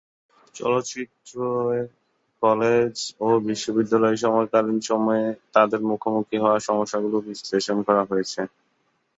চলচ্চিত্রটিতে college ও বিশ্ববিদ্যালয়ের সময়কালীন সময়ে তাঁদের মুখোমুখি হওয়া সমস্যাগুলি বিশ্লেষণ করা হয়েছে।